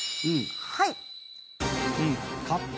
はい。